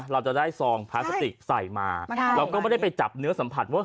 เราจะได้ซองพลาสติกใส่มาเราก็ไม่ได้ไปจับเนื้อสัมผัสว่า